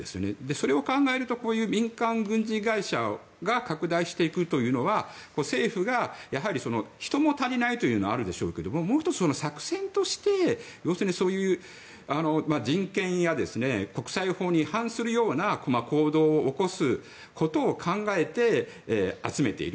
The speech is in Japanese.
それを考えるとこういう民間軍事会社が拡大していくというのは政府が人も足りないというのもあるでしょうけれどももう１つ作戦として人権や国際法に反するような行動を起こすことを考えて集めている。